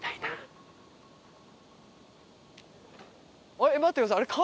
えっ待ってください。